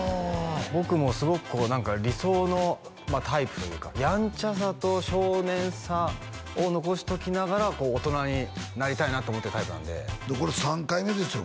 僕もすごくこう何か理想のタイプというかやんちゃさと少年さを残しときながら大人になりたいなと思ってるタイプなんでこれ３回目ですよ